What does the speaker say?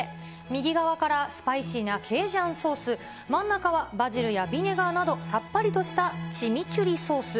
右側からスパイシーなケイジャンソース、真ん中はバジルやビネガーなど、さっぱりとしたチミチュリソース。